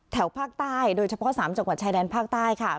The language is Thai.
ภาคใต้โดยเฉพาะ๓จังหวัดชายแดนภาคใต้ค่ะ